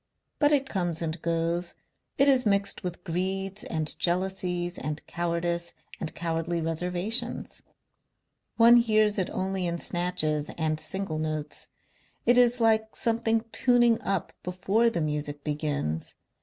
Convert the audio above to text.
But it comes and goes, it is mixed with greeds and jealousies and cowardice and cowardly reservations. One hears it only in snatches and single notes. It is like something tuning up before the Music begins....